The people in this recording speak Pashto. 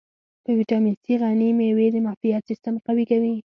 په ویټامین C غني مېوې د معافیت سیستم قوي کوي.